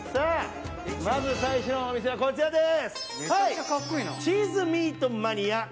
まず最初のお店はこちらです。